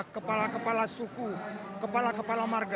kepala kepala suku kepala kepala marga